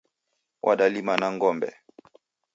W'adalima na ngombe